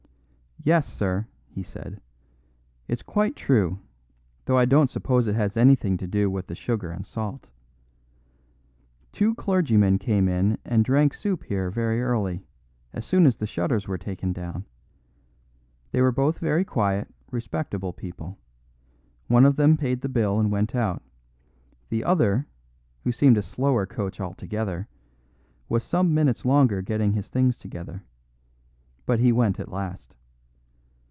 "Yes, sir," he said, "it's quite true, though I don't suppose it has anything to do with the sugar and salt. Two clergymen came in and drank soup here very early, as soon as the shutters were taken down. They were both very quiet, respectable people; one of them paid the bill and went out; the other, who seemed a slower coach altogether, was some minutes longer getting his things together. But he went at last.